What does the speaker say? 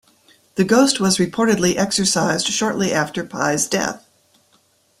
The ghost was reportedly exorcised shortly after Pye's death.